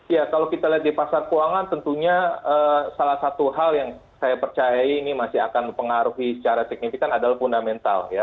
ya kalau kita lihat di pasar keuangan tentunya salah satu hal yang saya percaya ini masih akan mempengaruhi secara signifikan adalah fundamental ya